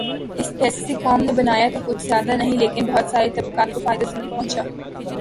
اس پیسے سے قوم نے بنایا تو کچھ زیادہ نہیں لیکن بہت سارے طبقات کو فائدہ ضرور پہنچا۔